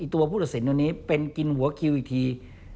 ตัวพุทธศิลป์ตัวนี้เป็นกินหัวคิวอีกที